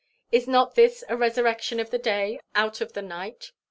Is not this a resurrection of the day out of the night?